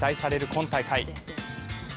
今大会。